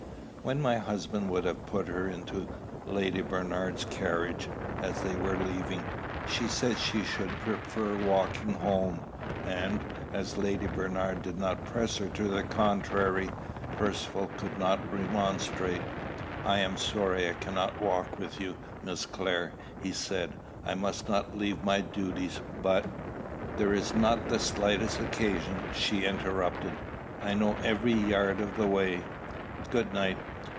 When my husband would have put her into Lady Bernard's carriage, as they were leaving, she said she should prefer walking home; and, as Lady Bernard did not press her to the contrary, Percivale could not remonstrate. "I am sorry I cannot walk with you, Miss Clare," he said. "I must not leave my duties, but" "There's not the slightest occasion," she interrupted. "I know every yard of the way. Good night."